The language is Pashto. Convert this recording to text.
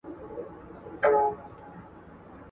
پر دغه لار مو نیکونه تللي